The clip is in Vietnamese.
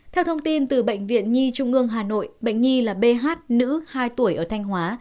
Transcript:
theo thông tin từ bệnh viện nhi trung ương hà nội bệnh nhi là b nữ hai tuổi ở thanh hóa